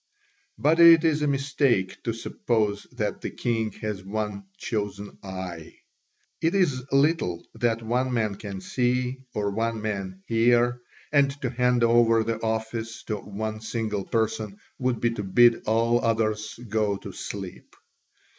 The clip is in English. But it is a mistake to suppose that the king has one chosen "eye." It is little that one man can see or one man hear, and to hand over the office to one single person would be to bid all others go to sleep.